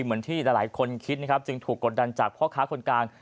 เหมือนที่หลายคนคิดนะครับจึงถูกกดดันจากพ่อค้าคนกลาง